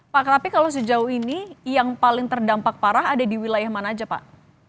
pak krapi kalau sejauh ini yang paling terdampak parah ada di wilayah mana saja pak